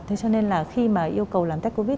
thế cho nên là khi mà yêu cầu làm tech covid